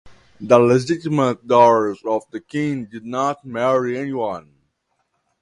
The legitimate daughters of a king did not marry anyone.